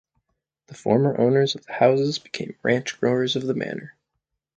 The former owners of the houses became ranch growers of the manor.